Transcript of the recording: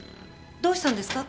どうしたんですか？